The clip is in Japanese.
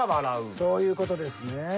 そういう事ですね。